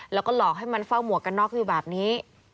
แล้วก็หลอกให้มันเฝ้าหมวกกันน็อกอยู่แบบนี้